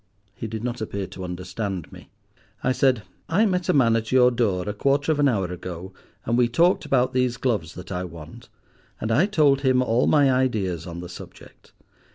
"He did not appear to understand me. I said, 'I met a man at your door a quarter of an hour ago, and we talked about these gloves that I want, and I told him all my ideas on the subject.